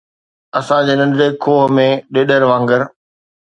اسان جي ننڍڙي کوهه ۾ ڏيڏر وانگر